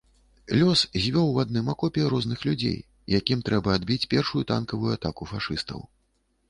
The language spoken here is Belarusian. Лёс звёў у адным акопе розных людзей, якім трэба адбіць першую танкавую атаку фашыстаў.